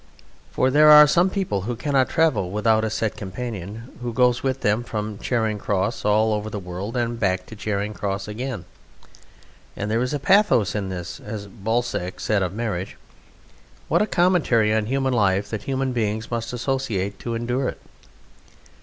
For there are some people who cannot travel without a set companion who goes with them from Charing Cross all over the world and back to Charing Cross again. And there is a pathos in this: as Balzac said of marriage, "What a commentary on human life, that human beings must associate to endure it."